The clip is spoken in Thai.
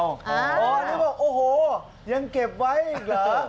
นี่บอกโอ้โหยังเก็บไว้ลิงก์เหรอ